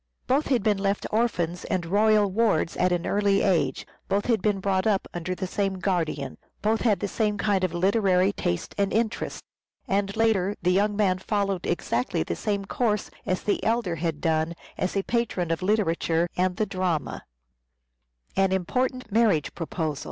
Both had been left orphans and royal wards at an early age, both had been brought up under the same guardian, both had the same kind of literary tastes and interests, and later the young man followed exactly the same course as the elder had done as a patron of literature and the drama.